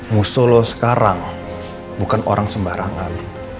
musuh lo sekarang bukan orang sembarangan